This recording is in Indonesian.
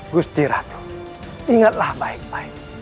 gusti ratu ingatlah baik baik